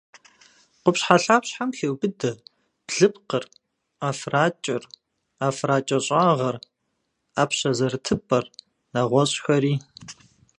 Къупщхьэлъапщхьэм хеубыдэ блыпкъыр, ӏэфракӏэр, ӏэфракӏэщӏагъыр, ӏэпщэ зэрытыпӏэр, нэгъуэщӏхэри.